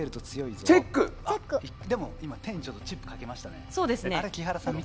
ちょっと手にチップをかけましたね。